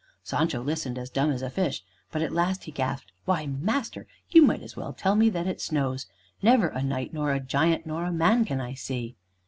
Sancho listened, as dumb as a fish; but at last he gasped. "Why, master, you might as well tell me that it snows. Never a knight, nor a giant, nor a man can I see."